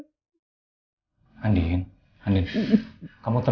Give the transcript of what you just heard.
tunggak lihat james